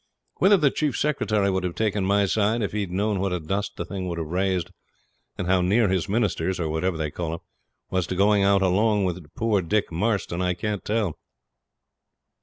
Whether the Chief Secretary would have taken my side if he'd known what a dust the thing would have raised, and how near his Ministers or whatever they call 'em was to going out along with poor Dick Marston, I can't tell.